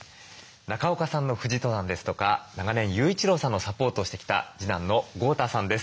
中岡さんの富士登山ですとか長年雄一郎さんのサポートをしてきた次男の豪太さんです。